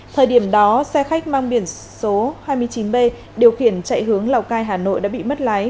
thời điểm đó xe khách mang biển số hai mươi chín b điều khiển chạy hướng lào cai hà nội đã bị mất lái